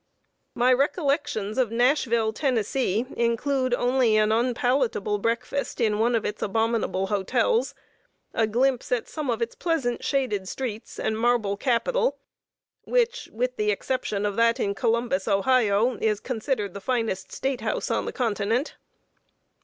My recollections of Nashville, Tennessee, include only an unpalatable breakfast in one of its abominable hotels; a glimpse at some of its pleasant shaded streets and marble capitol, which, with the exception of that in Columbus, Ohio, is considered the finest State house on the continent.